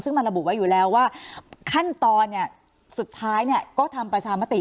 ซึ่งมันระบุไว้อยู่แล้วว่าขั้นตอนสุดท้ายเนี่ยก็ทำประชามติ